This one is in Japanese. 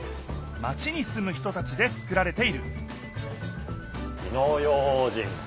マチにすむ人たちで作られている火の用心。